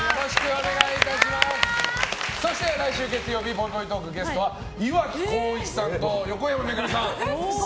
そして来週月曜日ぽいぽいトークのゲストは岩城滉一さんと横山めぐみさん。